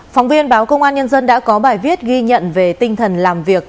phóng viên báo công an nhân dân đã có bài viết ghi nhận về tinh thần làm việc